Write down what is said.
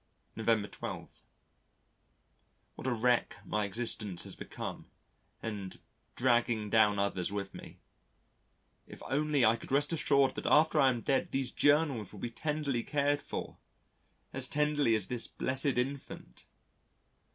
November 12. What a wreck my existence has become and dragging down others with me. If only I could rest assured that after I am dead these Journals will be tenderly cared for as tenderly as this blessed infant!